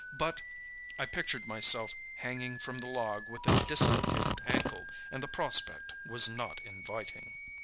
But I pictured myself hanging from the log with a dislocated ankle, and the prospect was not inviting.